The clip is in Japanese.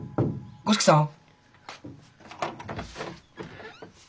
五色さん！